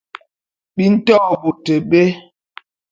Bi nto bôt bé.